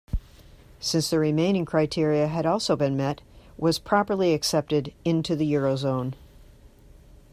Since the remaining criteria had also been met, was properly accepted into the Eurozone.